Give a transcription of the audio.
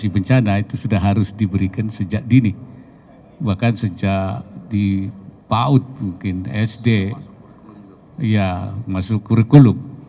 bahkan sejak dipaut mungkin sd masuk kurikulum